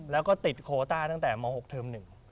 แล้วก็ติดโคต้าตั้งแต่ม๖เทอม๑